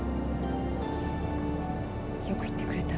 よく言ってくれた。